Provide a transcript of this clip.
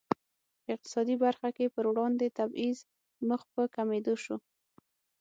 په اقتصادي برخه کې پر وړاندې تبعیض مخ په کمېدو شو.